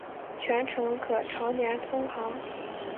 全程可常年通航。